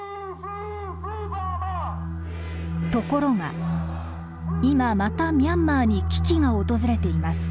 ところが今またミャンマーに危機が訪れています。